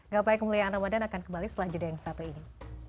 gapai kemuliaan ramadhan akan kembali selanjutnya yang satu ini